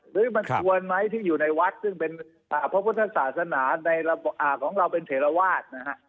หรือมันควรไหมที่อยู่ในวัดซึ่งเป็นพระพุทธศาสนาของเราเป็นเทรวาสนะฮะ